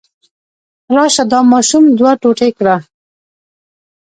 راشه دا ماشوم دوه ټوټې کړه.